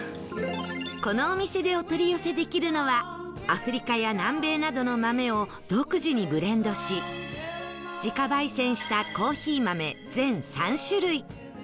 このお店でお取り寄せできるのはアフリカや南米などの豆を独自にブレンドし自家焙煎したコーヒー豆全３種類